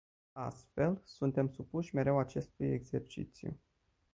Astfel, suntem supuși mereu acestui exercițiu.